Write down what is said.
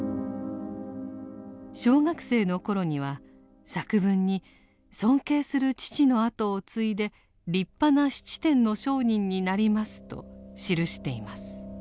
小学生の頃には作文に尊敬する父の後を継いで立派な質店の商人になりますと記しています。